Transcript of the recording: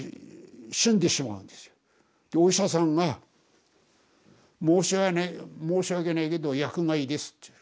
お医者さんが「申し訳ないけど薬害です」って言う。